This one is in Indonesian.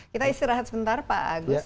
kita istirahat sebentar pak agus